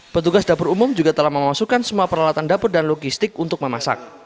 petugas dapur umum juga telah memasukkan semua peralatan dapur dan logistik untuk memasak